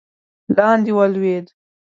لاندې ولوېد.